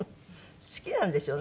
好きなんでしょうね